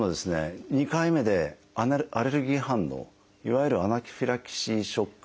２回目でアレルギー反応いわゆるアナフィラキシーショック